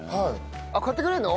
あっ買ってくれるの？